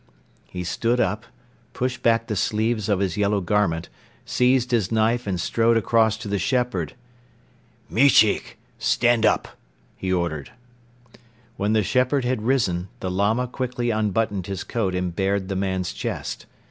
He stood up, pushed back the sleeves of his yellow garment, seized his knife and strode across to the shepherd. "Michik, stand up!" he ordered. When the shepherd had risen, the Lama quickly unbuttoned his coat and bared the man's chest.